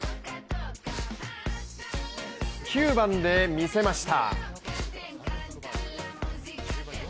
９番でみせました。